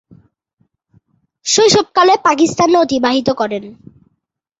শৈশবকাল পাকিস্তানে অতিবাহিত করেন।